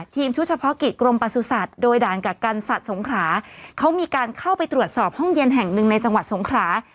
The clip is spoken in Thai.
ชุดเฉพาะกิจกรมประสุทธิ์โดยด่านกักกันสัตว์สงขราเขามีการเข้าไปตรวจสอบห้องเย็นแห่งหนึ่งในจังหวัดสงขรา